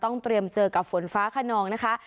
เตรียมเจอกับฝนฟ้าขนองนะคะ